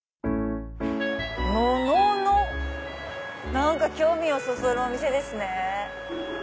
何か興味をそそるお店ですね。